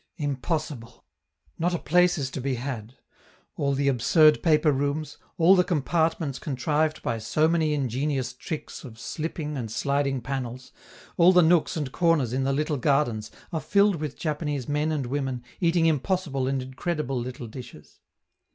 Impossible! not a place is to be had; all the absurd paper rooms, all the compartments contrived by so many ingenious tricks of slipping and sliding panels, all the nooks and corners in the little gardens are filled with Japanese men and women eating impossible and incredible little dishes.